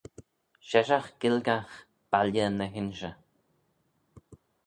Sheshaght Gaelgagh, Balley ny h-Inshey.